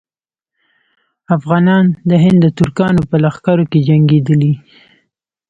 افغانان د هند د ترکانو په لښکرو کې جنګېدلي.